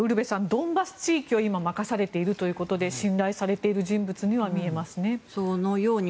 ドンバス地域を任されているというとで信頼されている人物には見えますね。